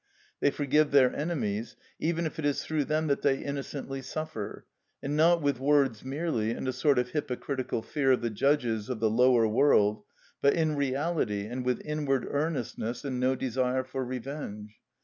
They forgive their enemies, even if it is through them that they innocently suffer; and not with words merely and a sort of hypocritical fear of the judges of the lower world, but in reality and with inward earnestness and no desire for revenge.